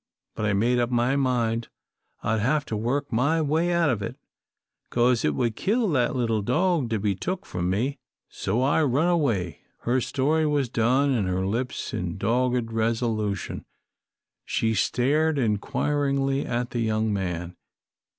But I made up my mind I'd have to work my way out of it, 'cause it would kill that little dog to be took from me. So I run away." Her story was done, and, closing her lips in dogged resolution, she stared inquiringly at the young man.